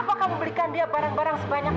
apa kamu belikan dia barang barang sebanyak itu